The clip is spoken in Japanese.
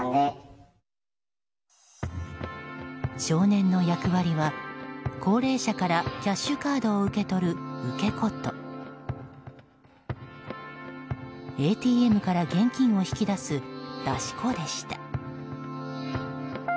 少年の役割は、高齢者からキャッシュカードを受け取る受け子とＡＴＭから現金を引き出す出し子でした。